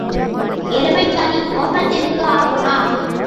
எருமைச் சாணி ஓமத்திற்கு ஆகுமா?